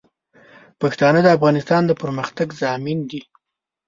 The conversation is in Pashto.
پښتانه د افغانستان د پرمختګ ضامن دي.